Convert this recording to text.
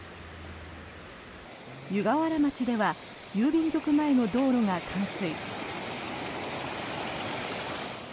湯河原町では郵便局前の道路が冠水。